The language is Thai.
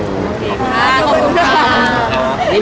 อ๋อนี่ไม่ได้เกี่ยวกับอะไรกับเลขนะทุกคน